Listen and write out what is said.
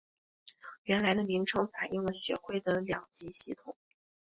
原来的名称反应了学会的两级系统。